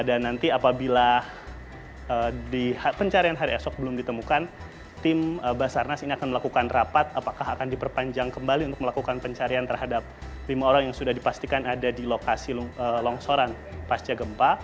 dan nanti apabila pencarian hari esok belum ditemukan tim basarnas ini akan melakukan rapat apakah akan diperpanjang kembali untuk melakukan pencarian terhadap lima orang yang sudah dipastikan ada di lokasi longsoran pasca gempa